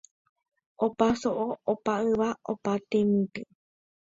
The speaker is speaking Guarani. Opa so'o, opa yva, opa temitỹ.